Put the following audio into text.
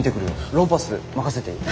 ロンパース任せていい？